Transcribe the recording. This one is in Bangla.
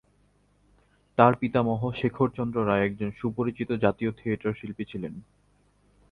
তার পিতামহ, শেখর চন্দ্র রায় একজন সুপরিচিত জাতীয় থিয়েটার শিল্পী ছিলেন।